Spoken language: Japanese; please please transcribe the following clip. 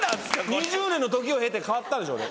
２０年の時を経て変わったんでしょうね